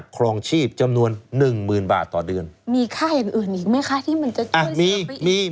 คลองชีพจำนวน๑หมื่นบาทต่อเดือนมีค่าอย่างอื่นอีกมั้ยคะ